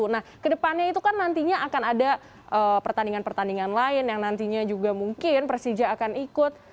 nah kedepannya itu kan nantinya akan ada pertandingan pertandingan lain yang nantinya juga mungkin persija akan ikut